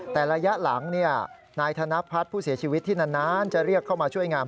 แต่ระยะหลังนายธนพัฒน์ผู้เสียชีวิตที่นานจะเรียกเข้ามาช่วยงาม